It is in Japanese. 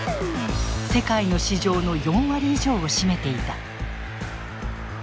世界の市場の４割以上を占めていた。